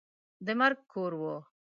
د مرګ کور وو.